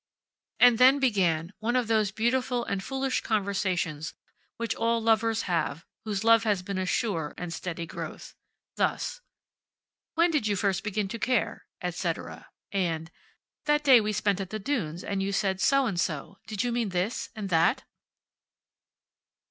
And then began one of those beautiful and foolish conversations which all lovers have whose love has been a sure and steady growth. Thus: "When did you first begin to care," etc. And, "That day we spent at the dunes, and you said so and so, did you mean this and that?"